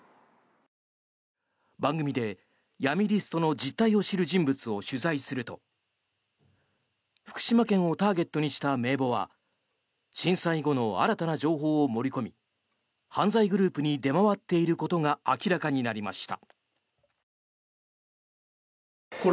番組で闇リストの実態を知る人物を取材すると福島県をターゲットにした名簿は震災後の新たな情報を盛り込み犯罪グループに出回っていることが明らかになりました。